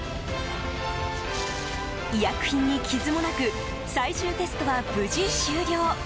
医薬品に傷もなく最終テストは無事終了。